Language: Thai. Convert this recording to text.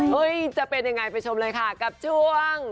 เฮ้ยจะเป็นอย่างไรไปชมเลยค่ะกับช่วง